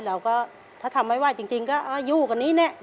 เราก็ถ้าทำไม่ไหวจริงก็อยู่กันนี้เนี่ย